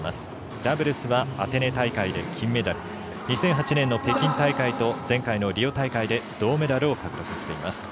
ダブルスはアテネ大会で金メダル２００８年の北京大会と前回のリオ大会で銅メダルを獲得しています。